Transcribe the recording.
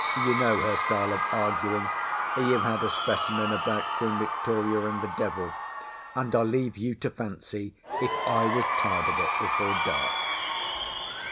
You know her style of arguing: you've had a specimen about Queen Victoria and the devil; and I leave you to fancy if I was tired of it before dark.